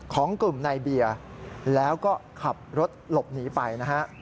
ของกลุ่มนายเบียร์แล้วก็ขับรถหลบหนีไปนะฮะ